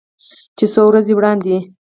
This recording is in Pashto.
چې څو ورځې وړاندې